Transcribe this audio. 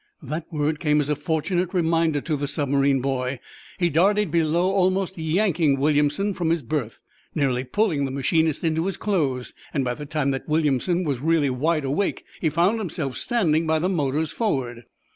That word came as a fortunate reminder to the submarine boy. He darted below, almost yanking Williamson from his berth, nearly pulling the machinist into his clothes. By the time that Williamson was really wide awake he found himself standing by the motors forward.